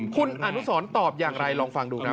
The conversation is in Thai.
คุณอนุสรตอบอย่างไรลองฟังดูครับ